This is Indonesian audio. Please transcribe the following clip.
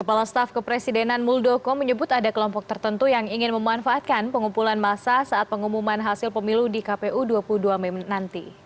kepala staf kepresidenan muldoko menyebut ada kelompok tertentu yang ingin memanfaatkan pengumpulan massa saat pengumuman hasil pemilu di kpu dua puluh dua mei nanti